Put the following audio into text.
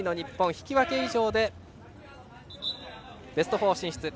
引き分け以上でベスト４進出。